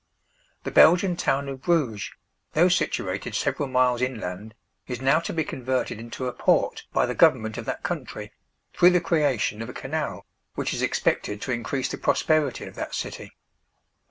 The Belgian town of Bruges, though situated several miles inland, is now to be converted into a port by the government of that country, through the creation of a canal, which is expected to increase the prosperity of that city.